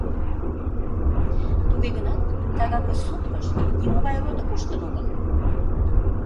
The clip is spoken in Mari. Туге гынат «тагавуй» сопкыш нимогай рота коштын огыл.